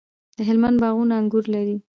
د هلمند باغونه انګور لري.